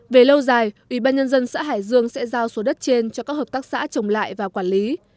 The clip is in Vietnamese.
về lâu dài ủy ban nhân dân xã hải dương sẽ giao số đất trên cho các hợp tác xã trồng lại và quản lý